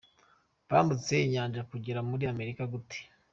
Bambutse inyanja bagera muri Amerika gute?.